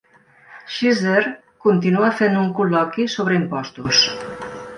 Schizer continua fent un col·loqui sobre impostos.